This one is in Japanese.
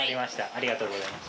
ありがとうございます。